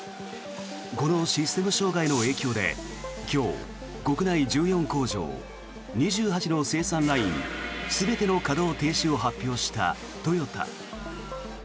このシステム障害の影響で今日国内１４工場２８の生産ライン全ての稼働停止を発表したトヨタ。